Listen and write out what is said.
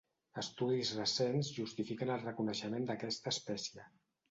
Estudis recents justifiquen el reconeixement d'aquesta espècie.